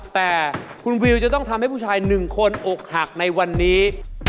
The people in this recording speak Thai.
แต่คุณวิวจะต้องทำให้ผู้ชาย๑คนอกหักในวันนี้